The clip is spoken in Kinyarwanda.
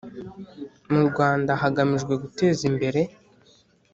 Mu rwanda hagamijwe guteza imbere